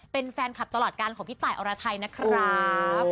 เป็นแฟนคลับตลอดการของพี่ตายอรไทยนะครับ